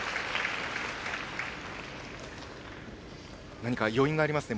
何か余韻がありますね。